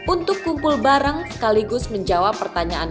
untuk kumpul bareng sekaligus menjawab pertanyaan